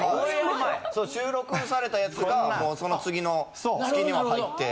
収録されたやつがもうその次の月には入って。